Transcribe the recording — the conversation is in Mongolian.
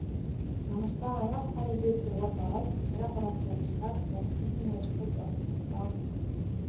Намартаа Анагаах ухааны дээд сургуульд ороод, тариа хураалтын ажлаар Жаргалантын аж ахуйд явах боллоо.